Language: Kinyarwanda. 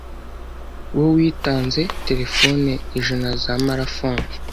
wo witanze telefoni ijana za ‘Mara Phones’